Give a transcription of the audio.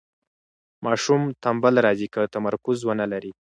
ماشوم ټنبل راځي که تمرکز ونلري.